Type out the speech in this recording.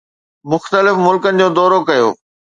مختلف ملڪن جو دورو ڪيو